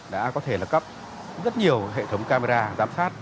đã có thể là cấp rất nhiều hệ thống camera giám sát